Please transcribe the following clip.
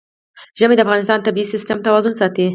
ژمی د افغانستان د طبعي سیسټم توازن ساتي.